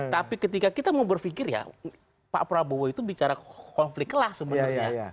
tapi ketika kita mau berpikir ya pak prabowo itu bicara konflik kelas sebenarnya